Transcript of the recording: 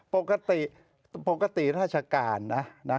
ปกติปกติราชการนะ